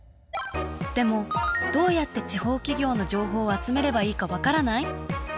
でもどうやって地方企業の情報を集めればいいか分からない？